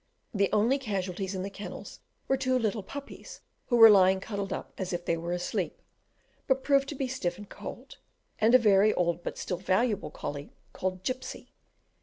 The only casualties in the kennels were two little puppies, who were lying cuddled up as if they were asleep, but proved to be stiff and cold; and a very old but still valuable collie called "Gipsy."